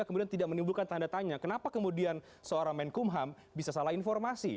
kemudian tidak menimbulkan tanda tanya kenapa kemudian seorang menkumham bisa salah informasi